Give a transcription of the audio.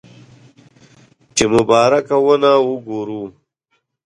چې مبارکه ونه وګورو.